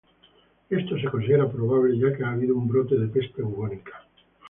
Esto se considera probable ya que habido un brote de peste bubónica.